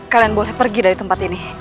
kalian boleh pergi dari tempat ini